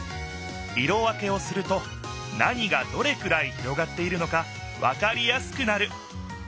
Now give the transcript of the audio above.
色分けをすると何がどれくらい広がっているのかわかりやすくなる。